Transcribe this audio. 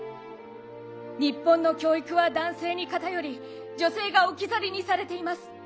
日本の教育は男性に偏り女性が置き去りにされています。